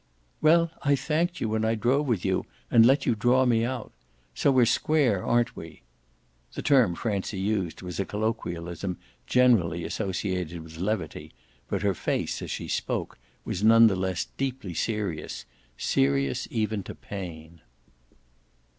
"Well, I thanked you when I drove with you and let you draw me out. So we're square, aren't we?" The term Francie used was a colloquialism generally associated with levity, but her face, as she spoke, was none the less deeply serious serious even to pain.